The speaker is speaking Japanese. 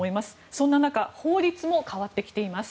そんな中法律も変わってきています。